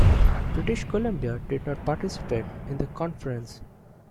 British Columbia did not participate in the conference.